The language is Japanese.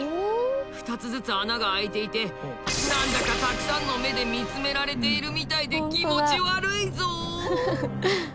２つずつ穴が開いていて何だかたくさんの目で見つめられているみたいで気持ち悪いぞ。